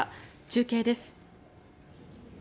中継です。